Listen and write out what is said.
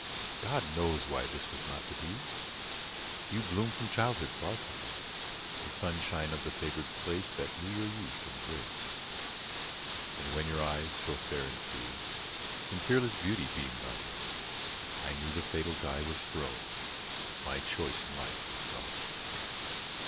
God knows why this was not to be. You bloomed from childhood far from me. The sunshine of the favoured place That knew your youth and grace. And when your eyes, so fair and free, In fearless beauty beamed on me, I knew the fatal die was thrown, My choice in life was gone.